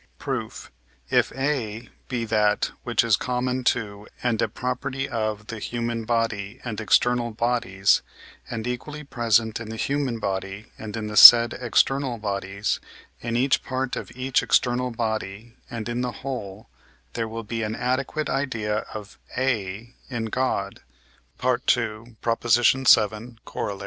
Proof. If A be that, which is common to and a property of the human body and external bodies, and equally present in the human body and in the said external bodies, in each part of each external body and in the whole, there will be an adequate idea of A in God (II. vii. Coroll.)